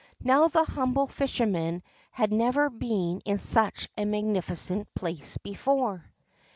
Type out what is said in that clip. Now the humble fisherman had never been in such a magni ficent place before.